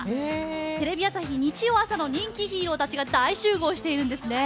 テレビ朝日日曜朝の人気ヒーローたちが大集合しているんですね。